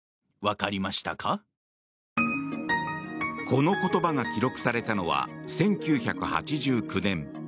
この言葉が記録されたのは１９８９年。